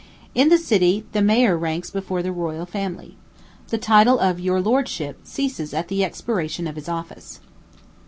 In the city the mayor ranks before the royal family. The title of "your lordship" ceases at the expiration of his office.